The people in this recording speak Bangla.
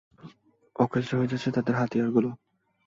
অকেজো হয়ে যাচ্ছে তাদের হাতিয়ারগুলো।